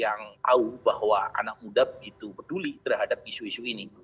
yang tahu bahwa anak muda begitu peduli terhadap isu isu ini